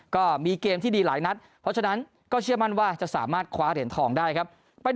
ก็มีเกมที่ดีหลายนัดเพราะฉะนั้นก็เชื่อมั่นว่าจะสามารถคว้าเหรียญทองได้ครับ